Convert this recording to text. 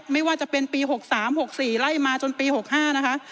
ไม่ว่าจะเป็นปี๖๓๖๔ไล่มาจนปี๖๕นะคะ